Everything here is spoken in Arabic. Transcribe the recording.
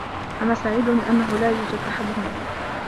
أنا سعيد لأنّه لا يوجد أحد هنا.